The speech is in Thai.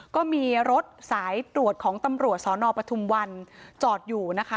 ก็มีรถสายตรวจของตำรวจสนปทุมวันจอดอยู่นะคะ